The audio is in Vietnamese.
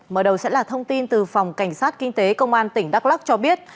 mở đầu sẽ là thông tin từ phòng cảnh sát kinh tế công an tỉnh đắk lắc cho biết